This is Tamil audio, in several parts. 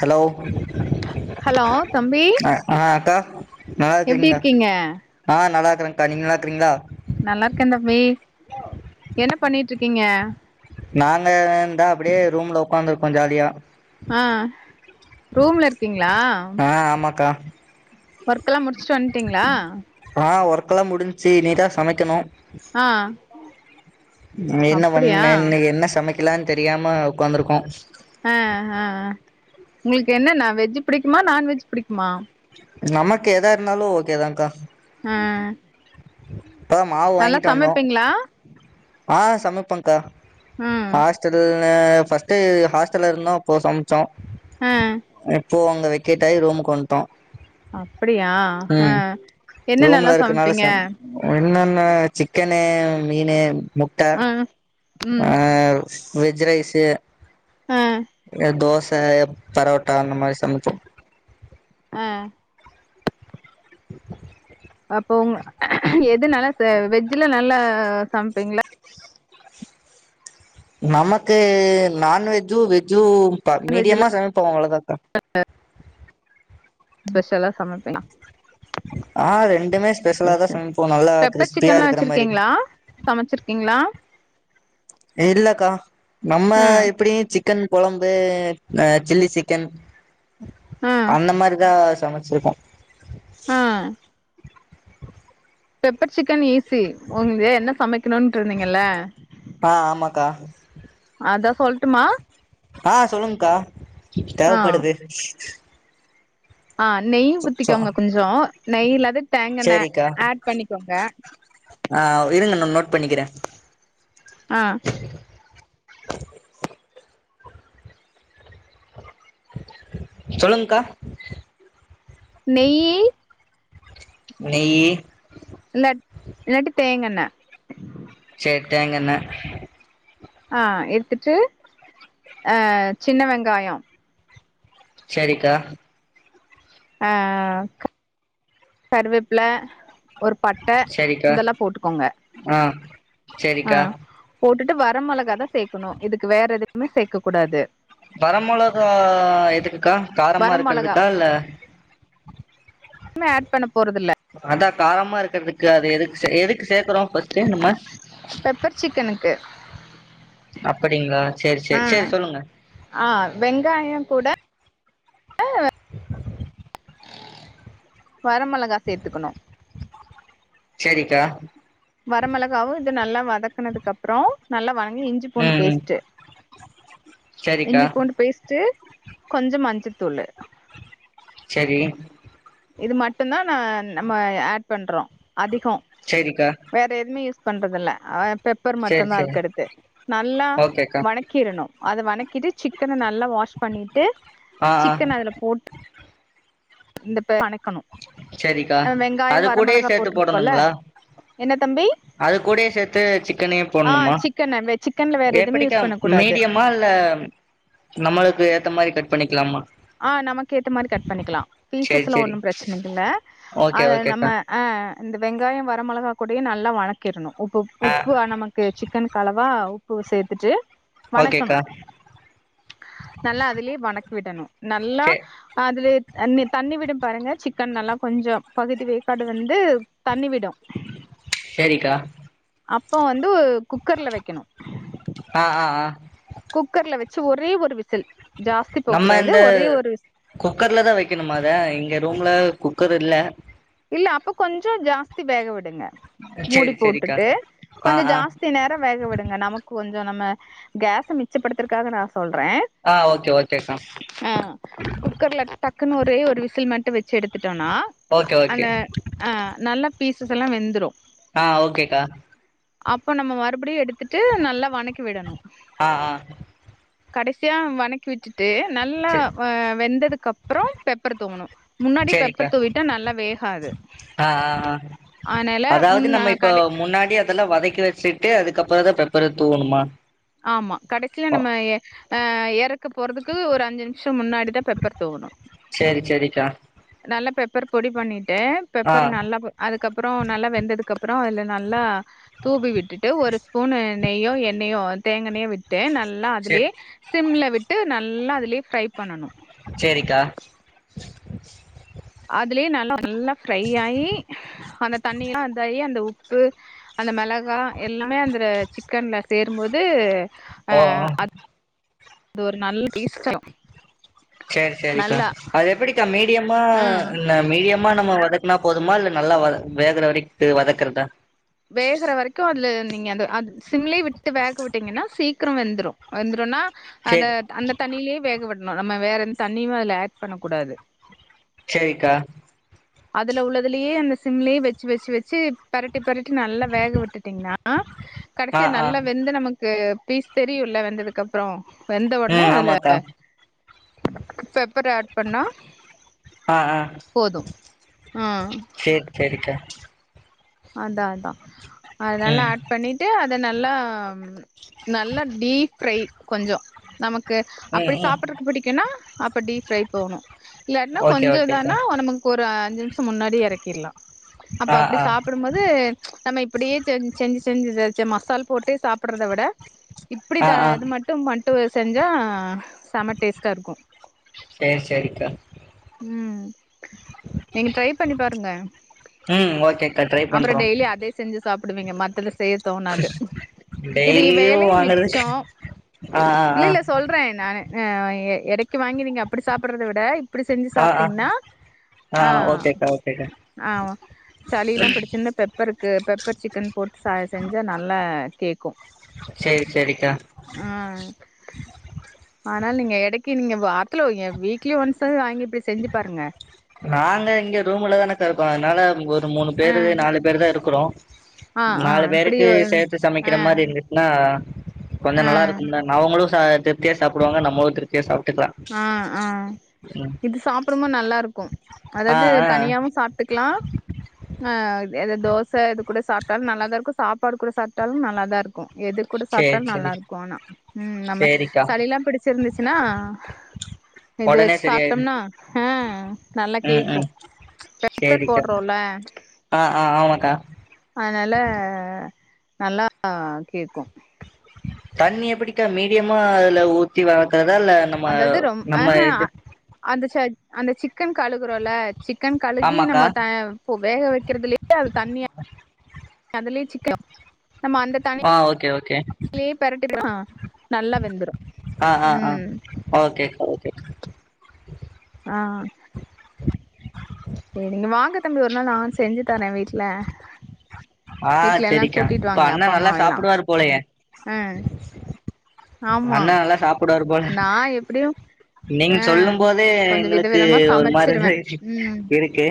ஹலோ ஹலோ தம்பி அ ஆ அக்கா எப்டி நல்லாயிருக்கிங்களா இருக்கீங்க ஆ நல்லா இருக்கரங்கா நீங்க நல்லா இருக்கறீங்களா நல்லா இருக்க தம்பி என்ன பண்ணிட்டு இருக்கீங்க நாங்க இந்தா அப்டியே ரூம்ல உக்காந்துருக்கோ ஜாலியா ஆ ரூம்ல இருக்கீங்களா ஆ ஆமாக்கா வர்க்கல்லா முடிச்சிட்டு வன்ட்டீங்களா வர்க்லா முடிஞ்சி இனிதா சமைக்கனு ஆ நீ என்ன அப்படியா பண்ண இன்னிக்கி என்ன சமை க்கலா தெரியாம உக்காந்துருக்கோ ஆ ஆ ஆ உங்களுக்கு என்னன்னா வெஜ் புடிக்குமா நான்வெஜ் புடிக்குமா நமக்கு எதா இருந்தாலு ஓக்கே தாக்கா ஆ மாவு நல்லா வாங்கிட்டு வந்தோ சமைப்பீங்களா ஆ சமைப்பங்கா ம் ஹாஸ்டல் ஹ ஃபர்ஸ்ட் ஹாஸ்டல இருந்தோ அப்போ சம் த ஆ அஹ் போ அங்க வெக்கேட்டாய் ரூமுக்கு வண்ட்டோ அப்படியா ஹ் என்னன்னல்லா ரூம்ல இருக்கனால சமைப்பீங்க ச என்னென்ன சிக்கனு மீனு முட்ட ஆ ம் ஆஹ் வெஜ் ரைஸு ஆ எ தோஸ் அ ப் பரோட்டா அந்த மாரி சமைப்போ ஆஹ் அப்போ உங்க எது நல்லா ச வெஜ்ஜில நல்லா சமைப்பீங்களா நமக்கு நான்வெஜ்ஜும் வெஜ்ஜு பா நான்வெஜ்ல மீடியமா சமைப்போம் அவ்ளோதாக்கா ம் ஸ்பெஷலா சமைப்பீங்களா ஆஹ் ரெண்டுமே ஸ்பெஷலா சரி தா சரி சமைப்போ நல்லா பெப்பர் கிறிஸ்பியா சிக்கன்லா இருக்கிற மாரி வச்சிருக்கீங்களா சமைச்சிருக்கீங்களா இல்லக்கா நம்ம ம் எப்டியு சிக் க்கன் கொழம்பு சில்லி சிக்கன் அந்த மாரிதா சமச்ரிக்கோ ஆஹ் பெப்பர் சிக்கன் ஈ ஸி உங்களே என்ன சமைக்கணும்ட்டு இருந்தீங்கல்ல ஆ ஆமாக்கா அதா சொல்ட்டுமா ஆ தேவைப்படுது ஆஹ் நெய் ஊத்திக்கோங்க கொஞ்சோ நெய் இல்லது தேங்கெண்ண சேரிக்கா ஆட் பண்ணிக்கோங்க ஆ இருங்க நா நோட் பண்ணிக்கிறே ஆஹ் சொல்லுங்கா நெய்யி நெய்யி இல்ல இல்லாட்டி தேங்கெண்ண சேர் தேங்கென்ன ஆஹ் எடுத்துட்டு அஹ் சின்ன வெங்காயோ செரிக்கா ஆஹ் க கருவேப்புல ஒரு பட்டை சேரிக்கா இதெல்லா போட்டுக்கோங்க ஆ ஆ சேரிக்கா போட்டுட் டு வர மொளகா தா சேக்குணு இதுக்கு வேற எதுக்குமே சேக்க கூடாது வரமொளகா எதுக்குக்கா வர காரமா மொளகா இருக்றதுக்கா இல்ல மே ஆட் பண்ண போறதுல்ல அதா காரமா இருக்கற்துக்கு அது எதுக்கு எதுக்கு சேக்குறோ ஃபர்ஸ்ட்டு நம்ம பெப்பர் சிக்கனுக்கு அப்படிங்களா சேரி சேரி சேரி ம் சொல்லுங்க ஆ வெங்காயம் கூட வர மளகா சேத்துக்கணும் செரிக்கா வரமிளகாவும் இது நல்லா வதக்கனதுக்கு அப்றோ நல்லா வ இ இஞ்சி பூண்டு ம் ம் பேஸ்ட்டு சேரிக்கா இஞ்சி பூண்டு பேஸ்ட்டு. கொஞ்ச மஞ்ச தூளு ரி இது மட்டு தா நா நம்ம ஆட் பண்றோ அதிகோ சேரிக்கா வேற எதுமே யூஸ் பண்றதுல்ல அவ பெப்பர் மட்டு சேரி தான் சேரி அதுக்கடுத்து நல்லா ஓகேக்கா வணக்கிரனும் அது வணக்கிட்டு சிக்கன ந நல்லா வாஷ் பண்ணிட்டு ஆ ஆ சிக்கன் அதுல போட் இந்த பே வனக் செரிக்கா அது கூடயே மொளகா சேத்து போட்ருக்கோல்ல போடணுங்களா, என்ன தம்பி அது கூடயே சேத்து சி க்கனே ஆ போட்னுமா, சிக்கன வெ சிக்கன்ல வேற எதுவுமே யூஸ் எப்படிக்க பண்ண கூடாது மீடியமா இல்ல நம்மளுக்கு ஏத்த மாரி கட் பண்ணி க்லாமா ஆ நமக்கெத்த மாரி கட் பண்ணிக்கலாம் சேரி பீசஸ் ல சேரி ஒன்னு பிரச் னுங்குல்ல ஓகே அத, நம்ம ஓகேக்கா ஆ, இந்த வெங்காயம் வ ந்த மொளகா கூடயே நல்லா வணக்கிறணும் உப்புப் ஆ உப்பு அ நமக்கு சிக்கன்க்கு கால வா உப்பு சேத்துட்டு. ஓகேக்கா வணக்கணும் நல்லா அதுலே வணக்கிவிடணும் நல்லா சே அதுலே தண்ணி தண்ணி விடும் பாருங்க சிக்கன் நல்லா கொஞ்சம் பகுதி வேக்காடு வெந்து தண்ணி விடும் செரிகா அப்போ வந்து [unintelligible] குக்கர்ல வெக்கணு ஆ ஆ ஆ குக்கர்ல வெச்சு ஒரே ஒரு விசில் ஜாஸ்தி போக நம்ம கூடாது இந்த ஒரே ஒரு விசில் குக்கர்ல தா வைக்கணும அத இங்க ரூம்ல குக்கர் இல்ல இல்ல அப்ப கொஞ்சோ ஜாஸ்தி வேகவிட் [unintelligible] மூடி சேரி சேரிக்கா போட்டுட்டு ஆ கொஞ்சோ ஆ ஜாஸ்தி நேரோ வேக விடுங்க நமக்கு வந்து எதோ நம்ம கேச மிச்சப்படுத்துறக்காக நாஸ் சொல்றே ஆ ஓகே ஓகேக்கா ஆ குக்கர்ல டக்குன்னு ஒரே ஒரு விஷ் சில் மட்டு வெச்சு எடுத்துட்டோனா ஓகே ஓகே அந்த ஆ நல்லப் பீசஸ் எல்லா வெந்துரு ஆ ஓகேக்கா அப்போ நம்ம மறுபடியு எடுத்துட்டு நல்லா வணக்கி விடணு ஆ ஆ கடைசியா வணக்கி விட்டுட் ட்டே நல்லா சே வ வெந்ததுக்குப்பறோ பெப்பர் தூவணு முன்னாடி பெப்பர் தூவிட் ஆஆஆ அதனால அதாவது முன்ன நம்ம இப்ப கடை முன்னாடி அதெல்லா வதக்கி வச்சு ட்டே அதுக்கப்பறோ தா பெப்பர் தூவுணுமா ஆமா கடைசியில நம்ம எ ஆ எறக்கு போறதுக்கு ஒரு அஞ்சு நிமிஷ் ட்டு முன்னாடிதா பெப்பர் தூவுணு சேரி சேரிக்கா நல்ல பெப்பர் பொடி பண்ணிட் டே ஆ பெப்பர் நல்லாப்பு அதுக்கப்புறோ நல்லா வெந்ததுக்குப்புற ட்டா அதுல நல்லா தூவி விட் ட்டுட்டு ஒரு ஸ்பூன்னு நெய்யோ எண்ணயோ தேங்கனைய விட்டு நல் ல்ல சே அதுலயே சிம்ல விட் விட்டு நல்லா அதுலேயே ஃப்ரை பண்ணணு செரிக்கா அதுலயே நல்லா நல்லா ஃப்ரை ஆயி அந்த தண்ணியல்லா அதயி அந்த உப் பு அந்த மெளகா எல்லாமே அந்தர சிக்கன்ல சேரும்போது அஅ அது ஒரு நல்ல [inaudible] சேரி சேரிக்கா நல்லா அது எப்படிக்கா மீடியமா ஆ இல்ல மீடியம் மா நம்ம வதக்குனா போதுமா இல்ல நல்லா வேகுற வரைக்கு வதக்குறதா வேகற வரைக்கும் அதுல நீங்க அ அ சிம்ள விட்டு வேக விட்டீங்கன்னா சீக்கிரம் வெந்துரும் வெந்துரும்னா சேரி அத அந்த தண்ணியிலேயே வேகவிடணும் நம்ம வேற எந்த தண்ணியும் அதுல ஆட் பண்ண கூடாது சேரிக்கா அதுல உள்ளதுலேயே அந்த சிம்லயே வச்சு வச்சு வச்சு பெரட்டி பெரட்டி நல்லா வேக விட்டுட்டீங்கன்னா ஆ கடைசியா ஆ நல்லா வெந்து நமக்கு பீஸ் தெரியுமல்ல வெந்ததுக்கு அப்புறம் வெந்த உடனே ம் ஆமாக்கா அதுலப் பெப்பர் அட் பண்ணி பண்ணா ஆ ஆ போது ஆ சேரி சேரிக்கா அதா அதா அதனால ம் ஆட் பண்ணிட்டு அது நல்லா நல்லா டீப் ஃபிரை கொஞ்சம் நமக்கு ம் அப்படி ம் சாப்பறதுக்கு பிடிக்குனா அப்ப டீப் ஃப்ரை போணும் இல்லாட்னா ஓகே கொஞ்சம் இதா ஓகேக்கா ஆனா நமக்கு ஒரு அஞ்சு நிமிஷ முன்னாடியே இறக்கிடலா ஆ ஆ ம்ச் நம்ம இப்படியே செஞ்சு செஞ்சுச்ச மசால் போட்டு சாப்பி சாப்பறத விட இப்படி ஆ ஆ இது மட்டும் மட்டு செஞ்சா செம டேஸ்ட்டா இருக்கும் சேரி சேரிக்கா ம் நீங்க ட்ரை பண்ணி பாருங்க ம் ஓகேக்கா ட்ரை அப்புறோ பண்றோ டெய்லி அதே செஞ்சு ஸ் சாப்புடுவிங்க மத்த லிஸ் செய்ய தோணாது இது இ டெய்லியு வேலையும் வாங்கறதுக்கு மிச்சோ ஆ ஆ இல்ல இல்ல சொல்றே நானு ஆ ஒ எ எடைக்கு வாங்கி நீங்க அப்புடி சாப்புட்றத விட இப் ப்புடி செஞ்சு ஆ ஆ சாப்ட்டிங்ன்னா ஆ ஓகேக்கா ஓகேக்கா ஆ சளிலா பிடிச்சிருந்தா பெப்பருக்கு பெப் ப்பர் சிக்கன் போட்டு சா செஞ்சா நல்லா கேக்கும் சேரி சேரிக்கா ஆ ஆனால் நீங்க எடைக் கி நீங்க வார்த்துல ஓ ஏ வீக்லி ஒன்ஸ் [unintelligible] வாங்கிப் ப்புடி செஞ்சு பாருங்க நாங்க இங்க ரூம்ல தானக்கா இக்கோ அத்னால இங்க ஒரு தோ மூணு ஆ பேரு நாலு பேரு தா இருக்குறோ ஆ ஆ நாலு இப்டி பேருக்கு சேத்து சமைக்கிற ஆ மாரி இருந்துச்சுன்னா கொஞ்சோ ஆ நல்லா இருக்கும்ல ந அவங்களு சா திருப்தியா சாப்புடுவாங்க நம்மளு திருப்தியா சாப் அ அ இது சாப் அப்றமு நல்லா இருக்கு ஆ அதாவ்து ஆ தனியாவு சாப்ட்டுக்லா ஆஹ் எது தோச எது கூட சாப்ட்டாலு நல்லாதா இருக்கு சாப்பாடு கூட சாப்ட்டாலு நல்லாதா இருக்கு எதுகூட சேரி சாப்ட்டாலு நல்லா சேரி இருக்கு ஆனா உம் நம்ம சேரிக்கா சளிலா பிடிச்சிருந்துச்சுனா இது ஒடனே வச்சு சரியாயிரு சாப்ட்டம்னா அ நல்லா ம் கேக்கு ம் பெப்பர் போட்றோல ஆஹ் ஆஹ் ஆமாக்கா நல்லா ஆ கேக்கு தண்ணி எப்டிக்கா மீடியமா அதுல ஊத்தி வதக் தெடல்ல நம்ம அதாவது ரொம் நம்ம ஆஹ இது அந்த ச அந்த சிக்கன் கழுகுறோல சிக்கன் கழுகி ஆமாக்கா நம்ம ட போ வேக வைக்கிறதுலே அது தண்ணியா அதுலே சிக்கன் நம்ம அந்த தண்ணி ஆஹ் ஓகே ஓக் லே பெரட்டிற்லா நல்லா வெந்துரு உம் ஓகே ஆஹ் சேரிங்க வாங்க தம்பி ஒரு நாள் ஆன்ஸ் செஞ்சு தரே வீட்ல ஆ வீட்லலா சரிக்கா கூட்டிட்டு இப்ப வாங்க அண்ணா நல்லா அப்பாம்மாவெல்லா சாப்பிடுவாரு போலயே ஆஹ் அண்ண நல்லா சாப்டுவாரு போல நா எப்டியு நீங்க ஆ சொல்லு போதே கொஞ்ச வித எங்களுக்கு விதமா ஒரு மாரிதா சமச்சிருவே ம் இருக் இருக்கு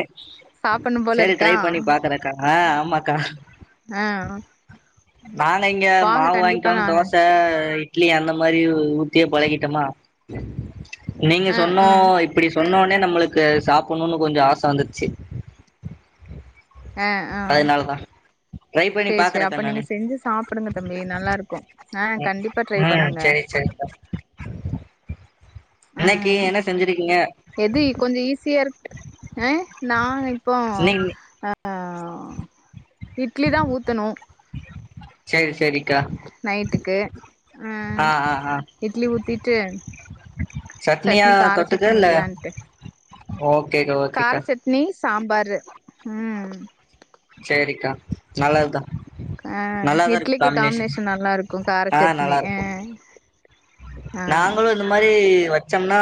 சாப்பட்ணு போல சேரி ட்ரை இருக்கா பண்ணி பாக்குறக்கா ஆஹ் ஆமாக்கா ஆஹ் நாங்க இங்க மாவு வாங்கிக்கோனு நானு தோச இட்லி அந்த மாரி உத் இப்டியே பழகிட்டமா நீங்க ஆ சொன்னோ ஆ இப்டி சொன்னோன் என்ன நம்மளுக்கு சாப்பிட்ணுனு கொஞ்ச ஆச வந்துர்ச்சு ஆஹ் ஆஹ் ட்ரை பண்ணி சேரி சேரி பாக்குறக்கா அப்ப நீங்க நானு செஞ்சு சாப்டுங்க தம்பி நல்லா இருக்கு ஆஹ் ம் கண்டிப்பா ட்ரை ம் பண்ணுங்க செரி செரிக்கா இன்னைக்கு உம் என்ன செஞ்சிருக்கீங்க எது கொஞ்ச ஈஸியா இருக் அஹ் நா இப்போ நீங்க அ இட்லி தா ஊத்தனு செரி செரிக்கா நைட்டுக்கு ஆ அஹ் ஆ ஆ இட்லி ஊத்திட்டு சட்னியா சட்னி கார சட்னி தொட்டுக்க இல்ல வைக்கலான்ட்டு ஓகேக்கா கார ஓகேக்கா சட்னி சாம்பாரு உம் சேரிக்கா நல்லது தா ஆஹ் இட்லிக்கு காம்னேஷன் நல்லா இருக்கு கார சட்னி அஹ் நாங்களும் இந்த மாதிரி சமைச்சோம்னா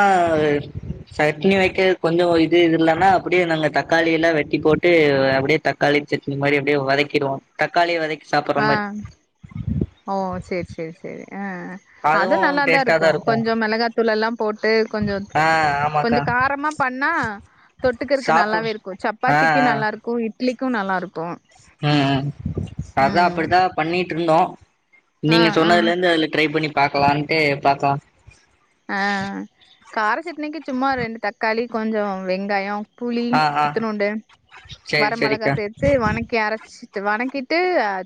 சட்னி வைக்க கொஞ்சம் இது இல்லன்னா அப்படியே நாங்க தக்காளி எல்லாம் வெட்டி போட்டு அப்படியே தக்காளி சட்னி மாதிரி அப்படியே வதக்கிடுவோம் தக்காளிய வதக்க ஆஹ் ஓ செரி செரி செரி ஆஹ அது நல்ல தா இருக்கு கொஞ்சோ மிளகாத்தூள் எல்லா போட்டு கொஞ்சோ ஆ ஆமாக்கா கொஞ்சோ காரமா பண்ணா தொட்டுக்கிறக்கு சாப்புடு நல்லாவே இருக்கு ஆ சப்பாத்திக்கு ஆ நல்லா இருக்கு இட் ட்லிக்கு நல்லாருக்கு ம் ம் அதா அப்படித்தா பண்ணிட்டுருந்தோ ஆ நீங்க ஆ சொன்னதுலிருந்து அதுல ட்ரை பண்ணி பாக்கலண்டு பாக்கல ஆஹ் கார சட்னிக்கு சும்மா ரெண்டு தக்காளி கொஞ்சோ வெங்காயோ புளி ஆ ஆ த்தணுண்டு சேரி வர மிளகா சேரிக்கா சேத்து வணக்கி அரைச்சி வணக்கிட்டு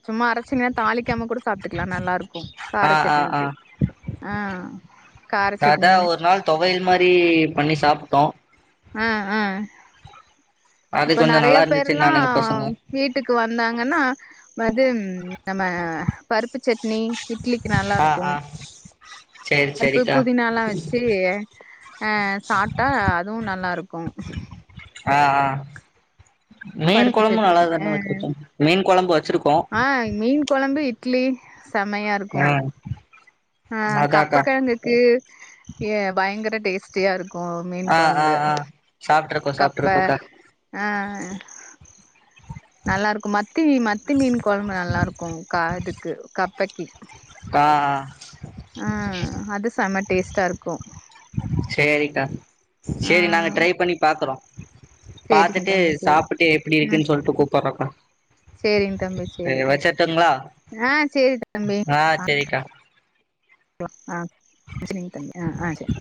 சும்மா அரைச்சிங்கன்னா தாளிக்காம கூட சாப்பிட்டுக்கலா நல்லா இருக்கு ஆ கார ஆ ஆ சட்னிக்கு ஆஹ் அதா ஒரு நாள் தொவயல் மாரி பண்ணி சாப் ட்டோ ஆஹ் ஆஹ் அது இப்ப கொஞ்சோ நெறய நல்லா பேர்ல்லா இருந்துச்சுன்னானுங்க பசங்க வீட்டுக்கு வந்தாங்கன்னா வந்து நம்ம பருப்புச்செட்டு சட்னி இட்லிக்கு நல்லா ஆ இருக்கும் ஆ சேரி பருப்பு சேரிக்கா புதினா எல்லாம் வச்சு அஹ் சாப்ட்டா அதுவு நல்லா இருக்கு ஆ ஆ மீன் பருப்பு கொழம்பு நல்லா சட்னி தானே ஆ வச்சிருக்கோ மீன் குழம்பு வச்சிருக்கோ ட் லி செமையாக இருக்கு ம் ஆஹ் அதாக்கா கப்பக்கெழங்குக்கு ஏ பய யங்கர டேஸ்டியா இருக்கு கோ மீன் ஆ ஆ குழம்பு ஆ சாப்ட்ருக்கோ கப்பை சாப்ட்ருக்கோக்கா ஆஹ் நல்லா இருக்கு மத்தி மத்தி மீன் கொழம்பு நல்லா இருக்கு கா இதுக்கு கப்பக்கி ஆ ஆ ஆஹ் அது செம டேஸ்ட்டா இருக்கும் ச்சேரிக்கா ச்சேரி நாங்க ட்ரை பண்ணி பாக்குறோ சேரிங்க பாத்துட்டு தம்பி சேரி சாப்ட்டு எப்டி ம் இருக்குன்னு சொல்லிட்டு கூப்பிட்றோக்கா சேரிங்க தம்பி சேரி ஆஹ் சேரி தம்பி ஆ பாத்து சேரிக்கா ஆஹ்ச்ச சேரிங்க தம்பி ஆஹ் ஆஹ் சேரி